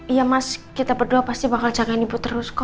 iya mas kita berdua pasti bakal jangan ibu terus kok